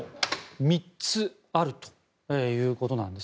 ３つあるということなんです。